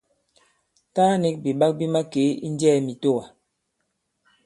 Taa nik bìɓak bi makee i njɛɛ mitowa.